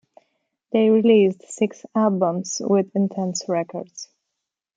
They released six albums with Intense Records.